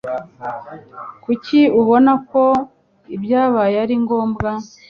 Kuki ubona ko ibyabaye ari ngombwa?